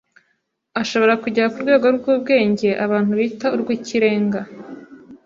ashobora kugera ku rwego rw’ubwenge abantu bita urw’ikirenga